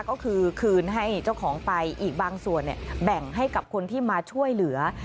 ก็คือคืนให้เจ้าของไปอีกบางส่วนแบ่งให้กับคนที่มาช่วยเหลือ